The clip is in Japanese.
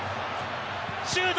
シュート！